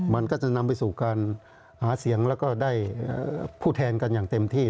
มันก็จะนำไปสู่การหาเสียงแล้วก็ได้ผู้แทนกันอย่างเต็มที่